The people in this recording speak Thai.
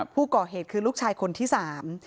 ผู้ก่อเหตุคือลูกชายคนที่สาม